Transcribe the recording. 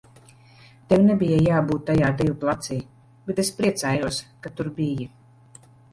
Tev nebija jābūt tajā deju placī, bet es priecājos, ka tur biji.